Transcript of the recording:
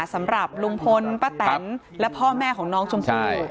สำหรับลุงพลป้าแตนและพ่อแม่ของน้องชมพู่